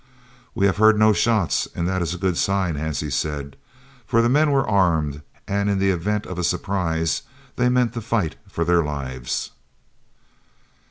"We have heard no shots, and that is a good sign," Hansie said, "for the men were armed, and in the event of a surprise they meant to fight for their lives."